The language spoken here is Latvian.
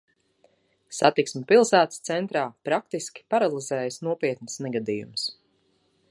Satiksmi pilsētas centrā praktiski paralizējis nopietns negadījums.